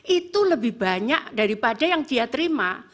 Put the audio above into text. itu lebih banyak daripada yang dia terima